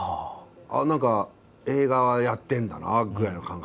なんか、映画やってるんだなぐらいの感覚。